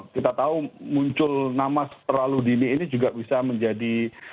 kita tahu muncul nama terlalu dini ini juga bisa menjadi